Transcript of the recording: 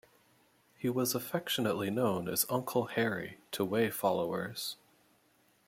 He was affectionately known as Uncle Harry to Way followers.